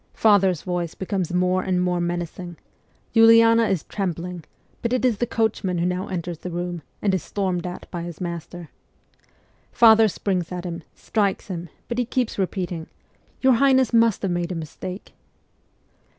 Father's voice becomes more and more menacing ; Uliana is trembling ; but it is the coachman who now enters the room, and is stormed at by his master. Father springs at him, strikes him, but he keeps repeating, ' Your highness must have made a mistake.'